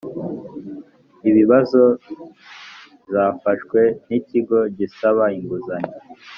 ibibazo zafashwe n ikigo gisaba inguzanyo